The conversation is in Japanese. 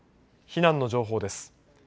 避難の情報です。